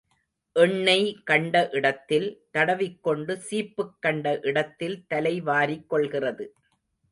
எண்ணெய் கண்ட இடத்தில் தடவிக் கொண்டு சீப்புக் கண்ட இடத்தில் தலை வாரிக் கொள்கிறது.